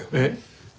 えっ？